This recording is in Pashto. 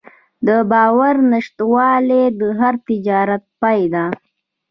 د باور نشتوالی د هر تجارت پای ده.